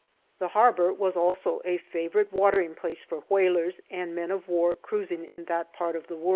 The harbor was also a favor ite watering place for whalers and men of war cruis ing in that part of the world.